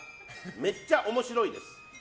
めっちゃ面白いです。